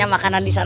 kau akan menang